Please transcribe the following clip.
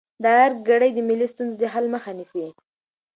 د ارګ کړۍ د ملي ستونزو د حل مخه نیسي.